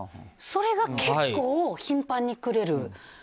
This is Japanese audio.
それが結構、頻繁にくれる。